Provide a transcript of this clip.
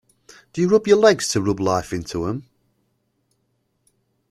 Do you rub your legs to rub life into 'em?